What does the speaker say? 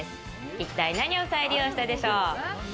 一体何を再利用したでしょう？